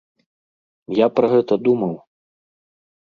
Я пра гэта думаў.